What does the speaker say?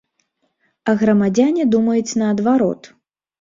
А грамадзяне думаюць наадварот.